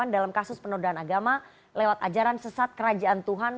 dalam kasus penodaan agama lewat ajaran sesat kerajaan tuhan